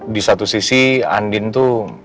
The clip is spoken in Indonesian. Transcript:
di satu sisi andin itu